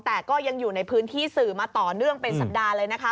แต่ก็ยังอยู่ในพื้นที่สื่อมาต่อเนื่องเป็นสัปดาห์เลยนะคะ